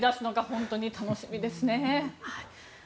本当に楽しみですね。